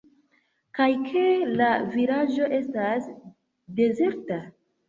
Kaj ke la vilaĝo estas dezerta?